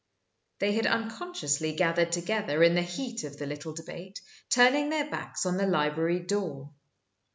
They had unconsciously gathered together, in the heat of the little debate, turning their backs on the library door.